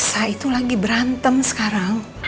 nino sama elsa itu lagi berantem sekarang